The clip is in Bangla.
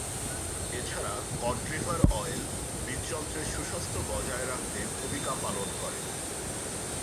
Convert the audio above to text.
এছাড়া কড লিভার অয়েল হৃদযন্ত্রের সুস্বাস্থ্য বজায় রাখতে ভূমিকা পালন করে।